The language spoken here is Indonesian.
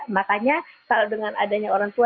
makanya kalau dengan adanya orang tua